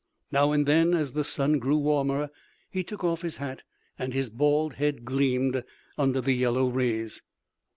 Now and then, as the sun grew warmer, he took off his hat and his bald head gleamed under the yellow rays.